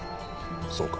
そうか。